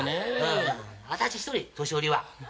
私１人年寄りは。